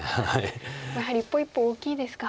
やはり一歩一歩大きいですか。